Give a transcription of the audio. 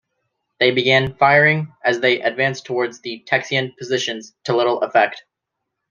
They began firing as they advanced toward the Texian positions, to little effect.